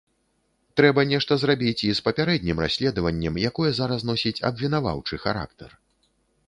Трэба нешта зрабіць і з папярэднім расследаваннем, якое зараз носіць абвінаваўчы характар.